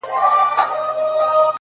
زه دې د سترگو په سکروټو باندې وسوځلم’